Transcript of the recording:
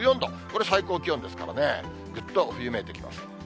これ最高気温ですからね、ぐっと冬めいてきます。